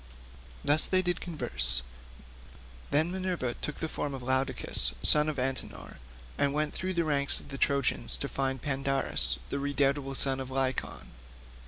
Thus did they converse. Then Minerva took the form of Laodocus, son of Antenor, and went through the ranks of the Trojans to find Pandarus, the redoubtable son of Lycaon.